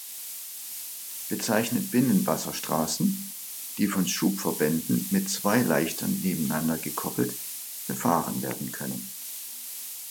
Bezeichnet Binnenwasserstraßen, die von Schubverbänden mit zwei Leichtern nebeneinander gekoppelt, befahren werden können.